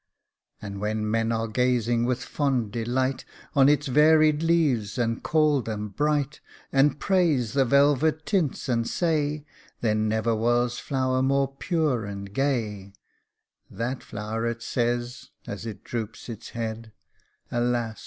And when men are gazing with fond delight On its varied leaves, and call them bright, And praise the velvet tints, and say There never was flower more pure and gay : That flowVet says, as it droops its head, " Alas